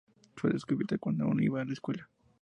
Fue descubierta cuando aún iba a la escuela.